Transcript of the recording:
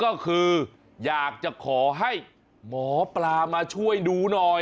ก็คืออยากจะขอให้หมอปลามาช่วยดูหน่อย